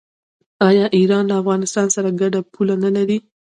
آیا ایران له افغانستان سره ګډه پوله نلري؟